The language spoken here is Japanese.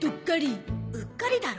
うっかりだろ。